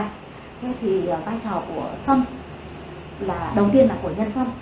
thế thì vai trò của xăm là đầu tiên là của nhân xăm